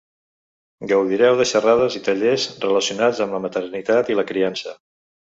Gaudireu de xerrades i tallers relacionats amb la maternitat i la criança.